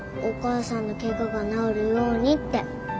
お母さんの怪我が治るようにって。